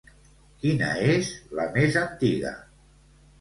Quina és la més antiga?